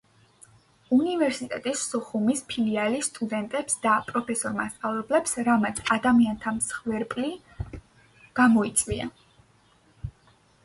ჯავახიშვილის სახელობის უნივერსიტეტის სოხუმის ფილიალის სტუდენტებს და პროფესორ-მასწავლებლებს, რამაც ადამიანთა მსხვერპლი გამოიწვია.